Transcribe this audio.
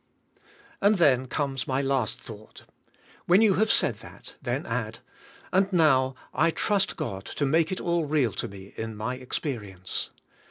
"' And then comes my last thought. When you have said that, then add: "And now, I trust God to make it all real to me in my experience.